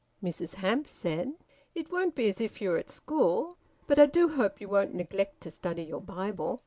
Mrs Hamps said "It won't be as if you were at school. But I do hope you won't neglect to study your Bible.